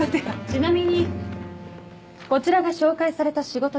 ちなみにこちらが紹介された仕事です。